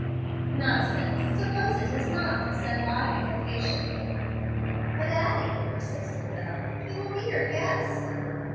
"Nonsense! Suppose it is not," said Lottie, impatiently. "But, Addie," persisted Bel, "he will be your guest."